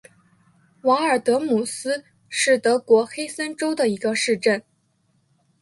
瓦尔德姆斯是德国黑森州的一个市镇。